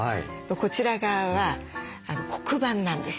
こちら側は黒板なんですよ。